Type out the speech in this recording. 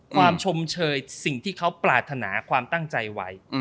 ชมเชยสิ่งที่เขาปรารถนาความตั้งใจไว้